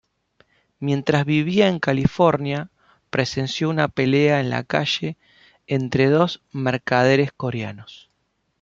Mientras vivía en California, presenció una pelea en la calle entre dos mercaderes coreanos.